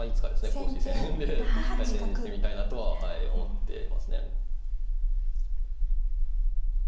公式戦で対戦してみたいなとは思ってますね。